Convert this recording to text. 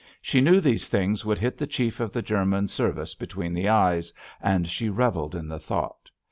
She knew these things would hit the chief of the German service between the eyes, and she revelled in the thought.